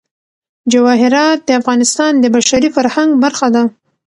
جواهرات د افغانستان د بشري فرهنګ برخه ده.